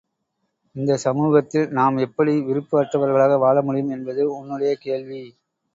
இந்தச் சமூகத்தில் நாம் எப்படி விருப்பு அற்றவர்களாக வாழமுடியும் என்பது உன்னுடைய கேள்வி!